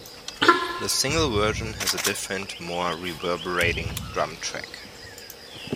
The single version has a different, more reverberating drum track.